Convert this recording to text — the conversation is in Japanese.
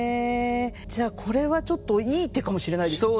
じゃあこれはちょっといい手かもしれないですね。